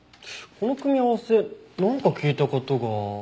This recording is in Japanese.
この組み合わせなんか聞いた事が。